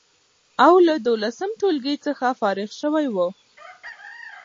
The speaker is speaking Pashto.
او له دولسم ټولګي څخه فارغ شوی و،